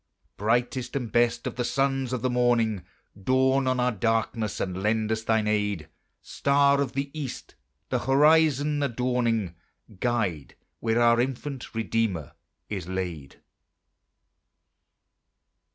Brightest and best of the sons of the morning, Dawn on our darkness, and lend us thine aid: Star of the East, the horizon adorning, Guide where our infant Redeemer is laid.